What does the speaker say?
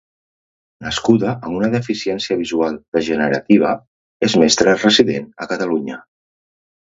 Nascuda amb una deficiència visual degenerativa, és mestra resident a Catalunya.